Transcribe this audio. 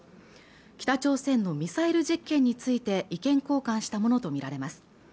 北朝鮮のミサイル実験について意見交換したものと見られます